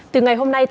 từ ngày hôm nay